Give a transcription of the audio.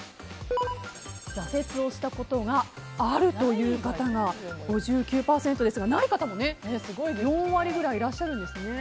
挫折をしたことがあるという方が５９％ですがない方も４割くらいいらっしゃるんですね。